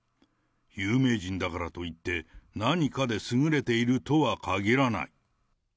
有名人だからといって、何かで優れているとはかぎらない。